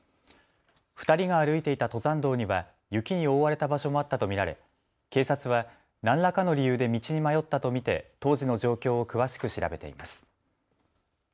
２人が歩いていた登山道には雪に覆われた場所もあったと見られ警察は何らかの理由で道に迷ったと見て当時の状況を詳しく調べています。